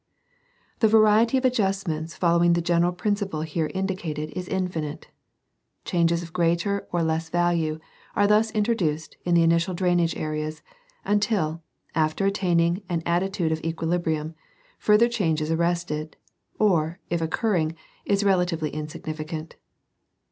The variety of adjustments following the general principle here indicated is infinite. Changes of greater or less value are thus introduced in the initial drainage areas, until, after attaining an attitude of equilibrium, further change is arrested, or if occur ring, is relatively insignificant.